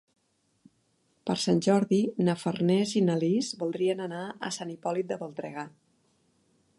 Per Sant Jordi na Farners i na Lis voldrien anar a Sant Hipòlit de Voltregà.